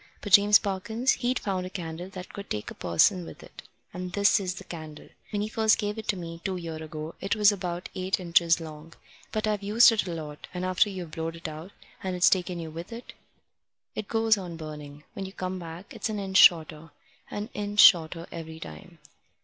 But James Parkins, he'd found a candle that could take a person with it, and this is the candle. When he first gave it me, two year ago, it was about eight inches long. But I've used it a lot, and after you've blowed it out, and it's taken you with it, it goes on burning. When you come back, it's an inch shorter an inch shorter every time.